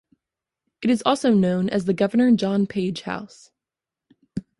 It is also known as the Governor John Page house.